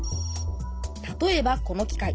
例えばこの機械。